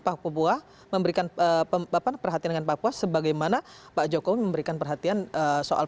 papua memberikan perhatian dengan papua sebagaimana pak jokowi memberikan perhatian soal